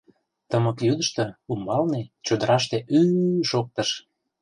Тымык йӱдыштӧ, умбалне, чодыраште, ӱ-ӱ-ӱ! шоктыш.